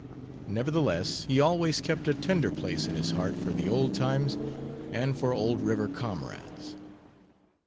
Nevertheless, he always kept a tender place in his heart for the old times and for old river comrades.